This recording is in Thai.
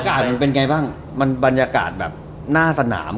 แบรนด์เป็นไงบ้างมันบรรยากาศแนะสมาม